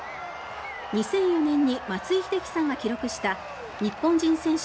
２００４年に松井秀喜さんが記録した日本人選手